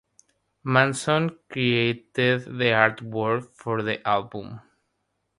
Manson created the artwork for the album.